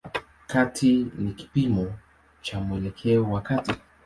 Kati ni kipimo cha mwelekeo wa kati.